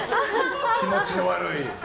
気持ちが悪い。